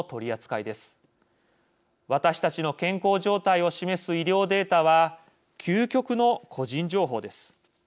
私たちの健康状態を示す医療データは究極の個人情報です。